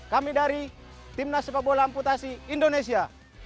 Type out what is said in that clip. kami dari timnas sepak bola amputasi indonesia